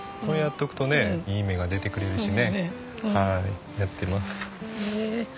これやっとくとねいい芽が出てくれるしねやってます。